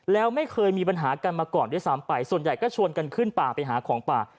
แล้วไม่เคยมีปัญหากันมาก่อนด้วยซ้ำไปส่วนใหญ่ก็ชวนกันขึ้นป่าไปหาของป่า